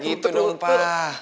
nah gitu dong pak